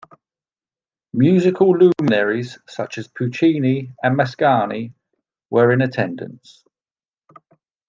Musical luminaries such as Puccini and Mascagni were in attendance.